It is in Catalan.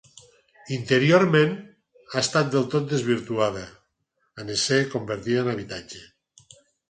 Interiorment, ha estat del tot desvirtuada en ésser convertida en habitatge.